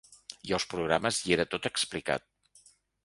I als programes hi era tot explicat.